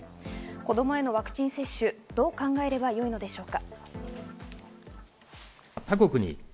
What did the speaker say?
子供へのワクチン接種、どう考えればよいのでしょうか。